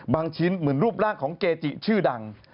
ชิ้นเหมือนรูปร่างของเกจิชื่อดัง